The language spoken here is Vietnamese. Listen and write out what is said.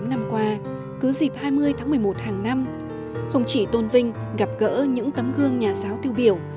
mà lãnh đạo đảng và nhà nước ta đánh giá cao và trân trọng ba mươi tám năm qua cứ dịp hai mươi tháng một mươi một hàng năm không chỉ tôn vinh gặp gỡ những tấm gương nhà giáo tiêu biểu